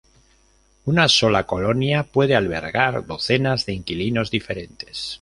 Una sola colonia puede albergar docenas de inquilinos diferentes.